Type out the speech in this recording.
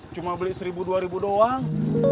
cuma beli seribu dua ribu doang